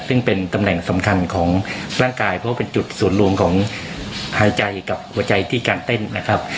ซึ่งเป็นตำแหน่งสำคัญของร่างกายเพราะว่าเป็นจุดส่วนรวมของหายใจกับหัวใจที่การเต้นนะครับ